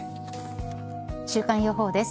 週間予報です。